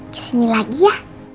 disini lagi ya